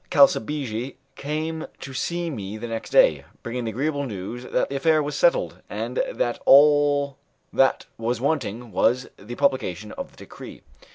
Calsabigi came to see me the next day, bringing the agreeable news that the affair was settled, and that all that was wanting was the publication of the decree.